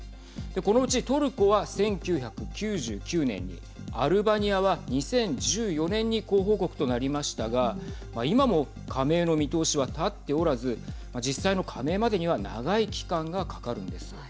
このうちトルコは１９９９年にアルバニアは２０１４年に候補国となりましたが今も加盟の見通しは立っておらず実際の加盟までには長い期間がかかるんです。